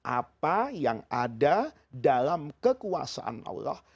apa yang ada dalam kekuasaan allah